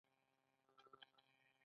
د بیا پیښیدو مخنیوی باید وشي.